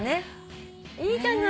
いいじゃない。